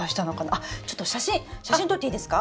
あちょっと写真写真撮っていいですか？